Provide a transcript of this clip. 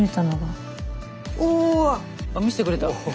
見せてくれた。